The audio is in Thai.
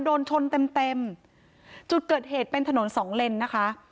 โดนชนเต็มเต็มจุดเกิดเหตุเป็นถนนสองเลนนะคะ